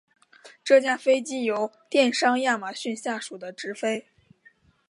这架飞机由电商亚马逊下属的执飞。